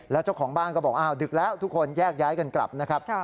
แล้วเจ้าของบ้านก็บอกอ้าวดึกแล้วทุกคนแยกย้ายกันกลับนะครับ